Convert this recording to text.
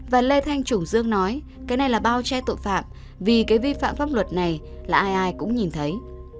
và lê thanh trùng dương nói cái này là bao che tội phạm vì cái vi phạm pháp luật này là ai ai cũng nhìn thấy